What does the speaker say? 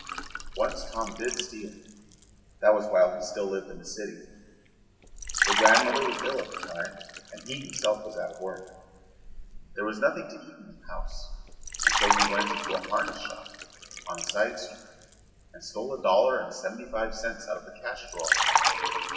Once Tom did steal. That was while he still lived in the city. The grandmother was ill at the time and he himself was out of work. There was nothing to eat in the house, and so he went into a harness shop on a side street and stole a dollar and seventy five cents out of the cash drawer.